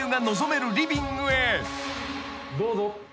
どうぞ。